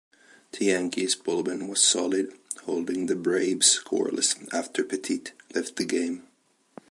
The Yankees bullpen was solid, holding the Braves scoreless after Pettitte left the game.